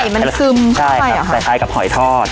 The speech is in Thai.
ไข่มันซึมเข้าไปอ่ะคะใช่ค่ะคล้ายคล้ายกับหอยทอดอ๋อ